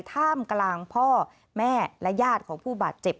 ท่ามกลางพ่อแม่และญาติของผู้บาดเจ็บ